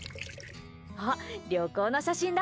あっ、旅行の写真だ。